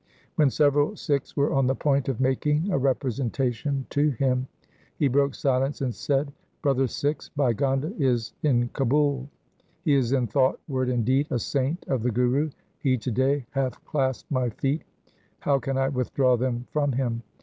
When several Sikhs were on the point of making a representation to him, he broke silence and said, ' Brother Sikhs, Bhai Gonda is in Kabul. He is in thought, word, and deed, a saint of the Guru. He to day hath clasped my feet. How can I withdraw them from him